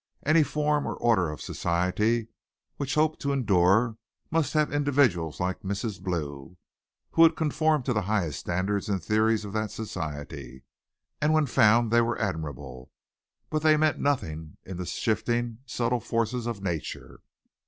Any form or order of society which hoped to endure must have individuals like Mrs. Blue, who would conform to the highest standards and theories of that society, and when found they were admirable, but they meant nothing in the shifting, subtle forces of nature.